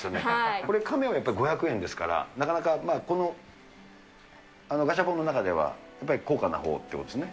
これは亀はやっぱり５００円ですから、なかなか、このガシャポンの中ではやっぱり高価なほうということですね。